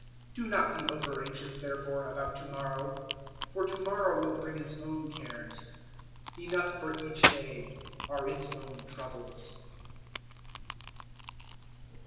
006:034 Do not be over anxious, therefore, about to morrow, for to morrow will bring its own cares. Enough for each day are its own troubles.